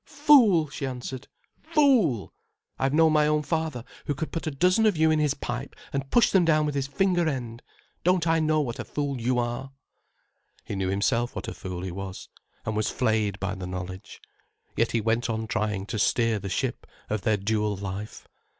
"Fool!" she answered. "Fool! I've known my own father, who could put a dozen of you in his pipe and push them down with his finger end. Don't I know what a fool you are!" He knew himself what a fool he was, and was flayed by the knowledge. Yet he went on trying to steer the ship of their dual life.